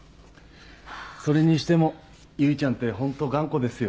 それにしても唯ちゃんってホント頑固ですよね。